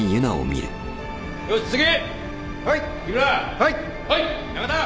はい。